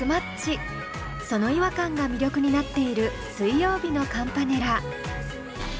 その違和感が魅力になっている水曜日のカンパネラ。